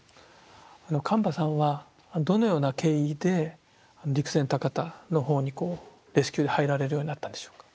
神庭さんはどのような経緯で陸前高田のほうにレスキューで入られるようになったんでしょうか？